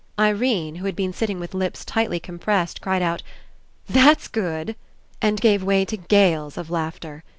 Irene, who had been sitting with lips tightly compressed, cried out: "That's good!" and gave way to gales of laughter.